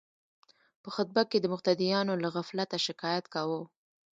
په خطبه کې د مقتدیانو له غفلته شکایت کاوه.